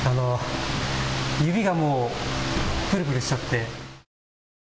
指がもうプルプルしちゃって。